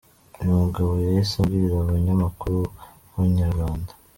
Uyu mugabo yahise abwira umunyamakuru wa Inyarwanda.